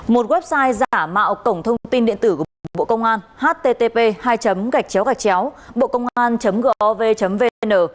một website giả mạo cổng thông tin điện tử của bộ công an http bocongan gov vn